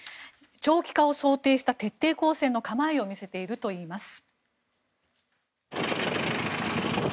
長期化を想定した徹底抗戦の構えを見せているといいます。